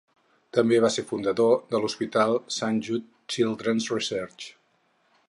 També va ser fundador de l'hospital Saint Jude Children's Research.